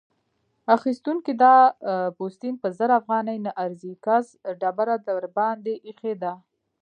اخيستونکی: دا پوستین په زر افغانۍ نه ارزي؛ کس ډبره درباندې اېښې ده.